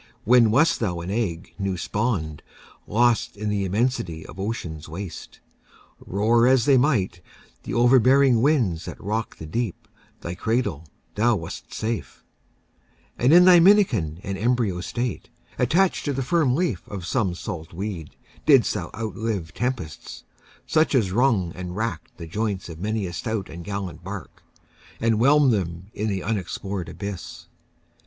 When wast thou an egg new spawn'd, Lost in the immensity of ocean's waste? Roar as they might, the overbearing winds That rock'd the deep, thy cradle, thou wast safe And in thy minikin and embryo state, Attach'd to the firm leaf of some salt weed, Didst outlive tempests, such as wrung and rack'd The joints of many a stout and gallant bark, And whelm'd them in the unexplor'd abyss.